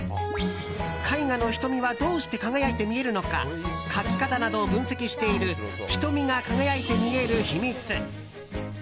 絵画の瞳はどうして輝いて見えるのか描き方などを分析している瞳が輝いて見えるひみつ。